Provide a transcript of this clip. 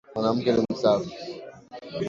Mwanamke ni msafi